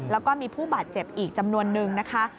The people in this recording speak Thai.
แล้วก็มีผู้บาดเจ็บอีกจำนวนนึงนะคะ